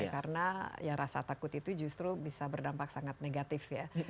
karena rasa takut itu justru bisa berdampak sangat negatif ya